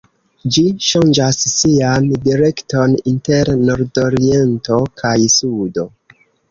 Ĝi ŝanĝas sian direkton inter nordoriento kaj sudo.